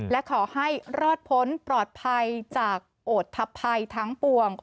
และขอให้รอดพ้นปลอดภัยจากโอทธภัยทั้งปวง